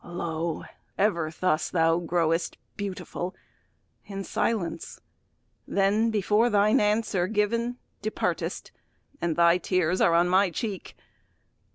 Lo! ever thus thou growest beautiful In silence, then before thine answer given Departest, and thy tears are on my cheek.